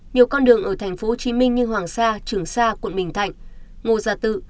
nhiều con đường ở thành phố hồ chí minh như hoàng sa trường sa quận bình thạnh ngô gia tự